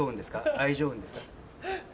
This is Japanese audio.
愛情運です。